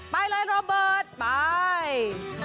ไปเลยโรเบิร์ตไป